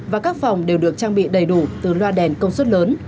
và các phòng đều được trang bị đầy đủ từ loa đèn công suất lớn